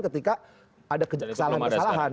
ketika ada kesalahan kesalahan